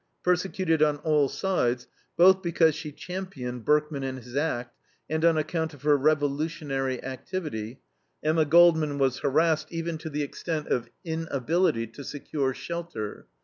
Persecuted on all sides, both because she championed Berkman and his act, and on account of her revolutionary activity, Emma Goldman was harassed even to the extent of inability to secure shelter.